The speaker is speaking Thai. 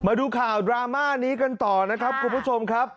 มาดูข่าวดราม่านี้กันต่อนะครับคุณผู้ชมครับ